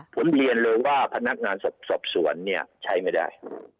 ผมเรียนเลยว่าพนักงานสอบสวนเนี่ยใช้ไม่ได้